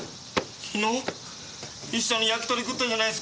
一緒に焼き鳥食ったじゃないですか。